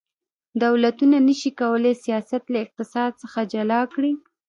دولتونه نشي کولی سیاست له اقتصاد څخه جلا کړي